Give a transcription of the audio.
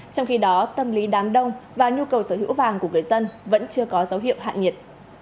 trong khi đó tâm lý đám đông và nhu cầu sở hữu vàng của người dân vẫn chưa có dấu hiệu hạ nhiệt